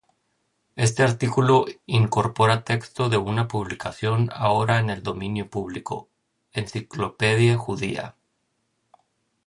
Este artículo incorpora texto de una publicación ahora en el dominio público: "Enciclopedia judía.